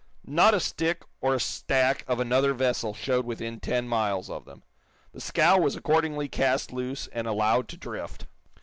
Not a stick or a stack of another vessel showed within ten miles of them. The scow was accordingly cast loose and allowed to drift.